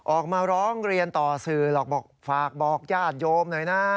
ออกมาร้องเรียนต่อสื่อหรอกบอกฝากบอกญาติโยมหน่อยนะ